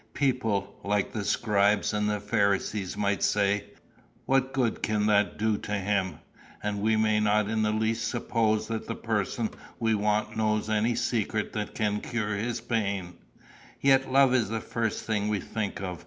People, like the Scribes and Pharisees, might say, 'What good can that do him?' And we may not in the least suppose that the person we want knows any secret that can cure his pain; yet love is the first thing we think of.